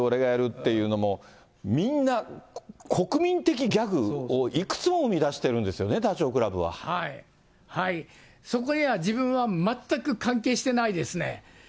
っていうのも、みんな、国民的ギャグをいくつも生み出してるんですよね、はい、そこへは自分は全く関係してないですね。